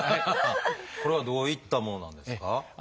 これはどういったものなんですか？